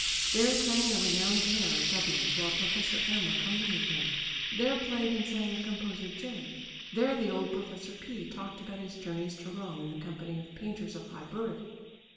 There sang the renowned tenor W. while Professor M. accompanied him; there played and sang the composer J.; there the old Professor P. talked about his journeys to Rome in the company of painters of high birth.